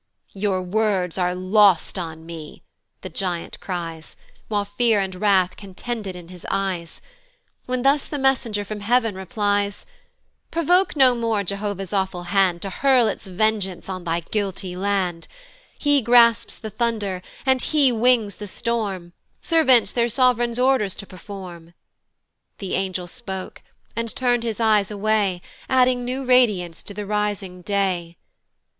"Your words are lost on me," the giant cries, While fear and wrath contended in his eyes, When thus the messenger from heav'n replies: "Provoke no more Jehovah's awful hand "To hurl its vengeance on thy guilty land: "He grasps the thunder, and, he wings the storm, "Servants their sov'reign's orders to perform." The angel spoke, and turn'd his eyes away, Adding new radiance to the rising day.